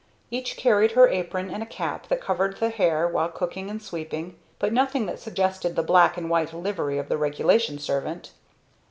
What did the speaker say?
Each carried her apron and a cap that covered the hair while cooking and sweeping; but nothing that suggested the black and white livery of the regulation servant.